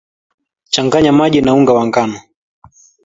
changanya maji na unga wa ngano